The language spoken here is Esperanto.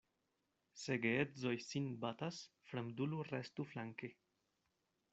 Se geedzoj sin batas, fremdulo restu flanke.